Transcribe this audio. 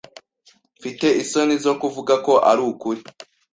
Mfite isoni zo kuvuga ko arukuri.